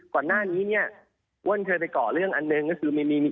ก่อนหน้านี้อ้วนเคยไปก่อเรื่องอันหนึ่ง